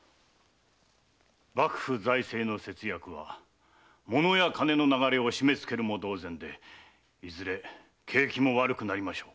幕府財政の節約は物や金の流れを締め付けるも同然でいずれ景気も悪くなりましょう。